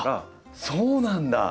そうなんだ！